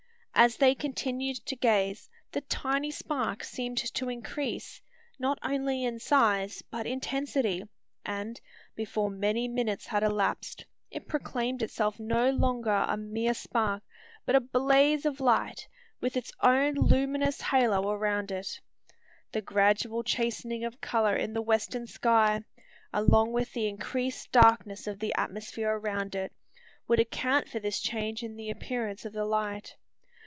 As they continued to gaze, the tiny spark seemed to increase, not only in size, but intensity; and, before many minutes had elapsed, it proclaimed itself no longer a mere spark, but a blaze of light, with its own luminous halo around it. The gradual chastening of colour in the western sky, along with the increased darkness of the atmosphere around it, would account for this change in the appearance of the light.